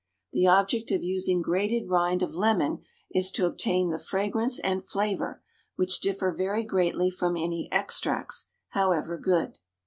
The object of using grated rind of lemon is to obtain the fragrance and flavor, which differ very greatly from any extracts, however good.